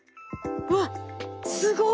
わっすごい！